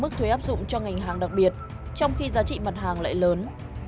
mức thuế áp dụng cho ngành hàng đặc biệt trong khi giá trị mặt hàng lại lớn